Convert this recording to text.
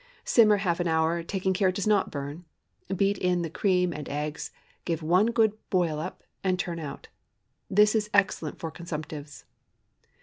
Simmer half an hour, taking care it does not burn; beat in the cream and eggs; give one good boil up, and turn out. This is excellent for consumptives.